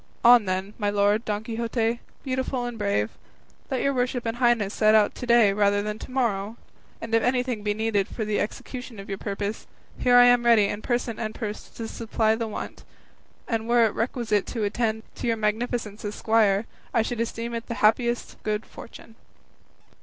On, then, my lord Don Quixote, beautiful and brave, let your worship and highness set out to day rather than to morrow; and if anything be needed for the execution of your purpose, here am I ready in person and purse to supply the want; and were it requisite to attend your magnificence as squire, I should esteem it the happiest good fortune."